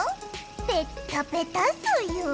ペッタペタソヨ。